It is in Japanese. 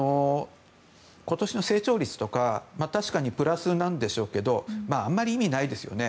今年の成長率とか確かにプラスなんでしょうけどあまり意味ないですよね。